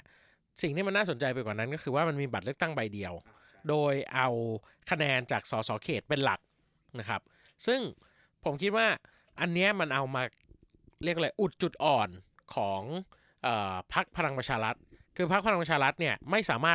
อย่างนี้มันน่าสนใจไปกว่านั้นก็คือว่ามันมีบัตรเลือกตั้งใบเดียวโดยเอา